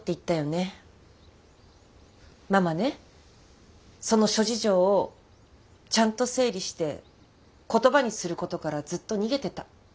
ママねその諸事情をちゃんと整理して言葉にすることからずっと逃げてた。